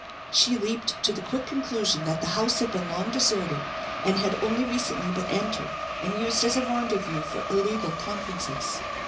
She leaped to the quick conclusion that the house had been long deserted and had only recently been entered and used as a rendezvous for illegal conferences.